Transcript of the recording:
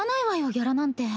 ギャラなんて。